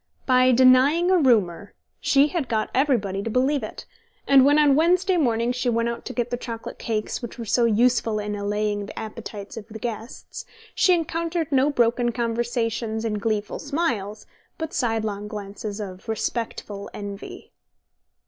By denying a rumour she had got everybody to believe it, and when on Wednesday morning she went out to get the chocolate cakes which were so useful in allaying the appetites of guests, she encountered no broken conversations and gleeful smiles, but sidelong glances of respectful envy.